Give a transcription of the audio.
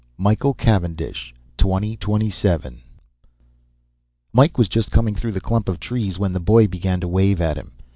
Michael Cavendish 2027 Mike was just coming through the clump of trees when the boy began to wave at him.